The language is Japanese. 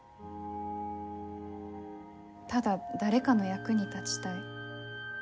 ただ誰かの役に立ちたい。